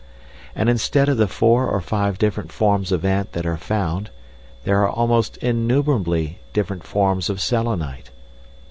And instead of the four or five different forms of ant that are found, there are almost innumerably different forms of Selenite.